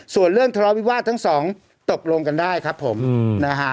ส่วนเรื่องทะเลาวิวาสทั้งสองตกลงกันได้ครับผมนะฮะ